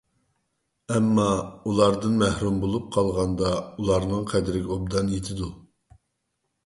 ئەمما، ئۇلاردىن مەھرۇم بولۇپ قالغاندا ئۇلارنىڭ قەدرىگە ئوبدان يېتىدۇ.